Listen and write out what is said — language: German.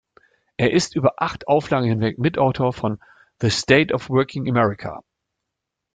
Er ist über acht Auflagen hinweg Mitautor von "The State of Working America".